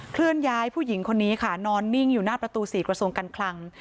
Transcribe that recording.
เคลื่อนย้ายผู้หญิงคนนี้ค่ะนอนนิ่งอยู่หน้าประตู๔กระทรวงการคลัง